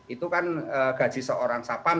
itu kan gaji seorang sapam